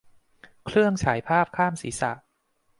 เครื่องฉายภาพข้ามศีรษะ